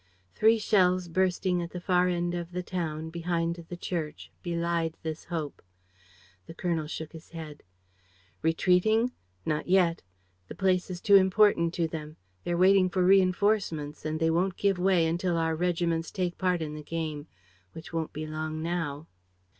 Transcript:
..." Three shells bursting at the far end of the town, behind the church, belied this hope. The colonel shook his head: "Retreating? Not yet. The place is too important to them; they are waiting for reinforcements and they won't give way until our regiments take part in the game ... which won't be long now."